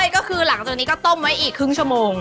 ก็คือหลังจากนี้ก็ต้มไว้อีกครึ่งชั่วโมง